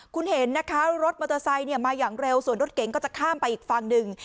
คุณเห็นนะคะรถมอเตอร์ไซค์มาอย่างเร็วส่วนรถเก๋งก็จะข้ามไปอีกฝั่งหนึ่ง